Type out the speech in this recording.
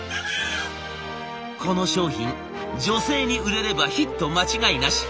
この商品女性に売れればヒット間違いなし。